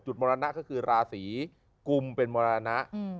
มรณะก็คือราศีกุมเป็นมรณะ